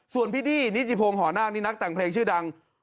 ส่วนพี่ดี้นิติพงศ์หอนาคนี่นักแต่งเพลงชื่อดัง